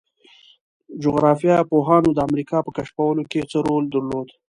جغرافیه پوهانو د امریکا په کشف کولو کې څه رول درلود؟